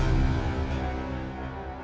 kemudian angkat kepadanya iya